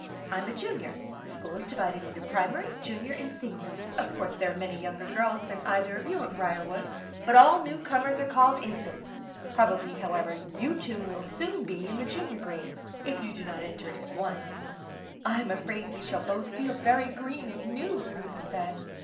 I'm a Junior. The school is divided into Primary, Junior and Senior. Of course, there are many younger girls than either of you at Briarwood, but all newcomers are called Infants. Probably, however, you two will soon be in the Junior grade, if you do not at once enter it." "I am afraid we shall both feel very green and new," Ruth said.